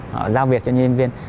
họ giao việc cho nhân viên